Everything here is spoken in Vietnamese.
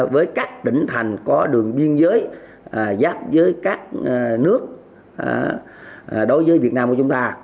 với các tỉnh thành có đường biên giới giáp với các nước đối với việt nam của chúng ta